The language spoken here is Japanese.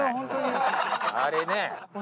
あれね！